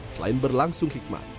selain berlangsung hikmat